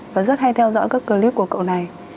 và rất hay theo dõi các clip của cậu này